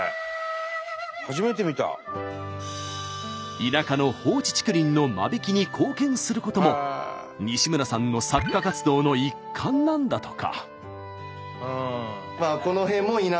田舎の放置竹林の間引きに貢献することも西村さんの作家活動の一環なんだとか。